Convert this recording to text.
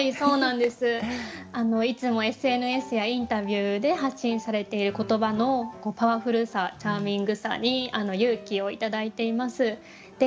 いつもＳＮＳやインタビューで発信されている言葉のパワフルさチャーミングさに勇気を頂いています。